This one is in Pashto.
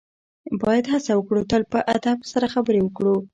باید هڅه وکړو تل په ادب سره خبرې وکړو.